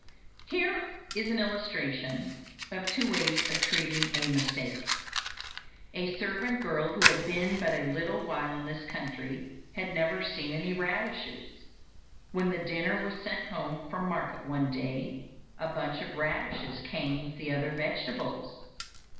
Here is an illustration of two ways of treating a mistake. A servant girl who had been but a little while in this country had never seen any radishes. When the dinner was sent home from market one day, a bunch of radishes came with the other vegetables.